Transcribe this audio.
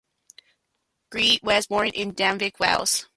Gee was born in Denbigh, Wales.